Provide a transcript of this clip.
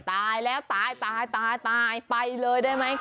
ตายแล้วตายไปเลยได้ไหม